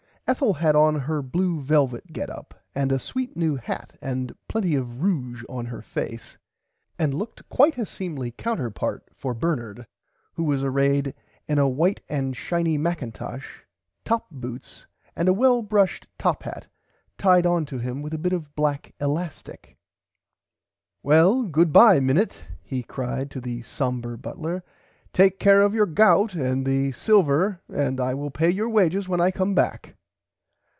Ethel had on her blue velvit get up and a sweet new hat and plenty of ruge on her face and looked quite a seemly counterpart for Bernard who was arrayed in a white and shiny mackintosh top boots and a well brushed top hat tied on to him with a bit of black elastick. Well goodbye Minnit he cried to the somber butler take care of your gout and the silver and I will pay your wages when I come back.